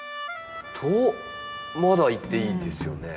まだいっていいんですよね？